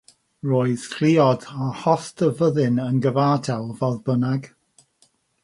Roedd lluoedd hollt y fyddin yn gyfartal, fodd bynnag.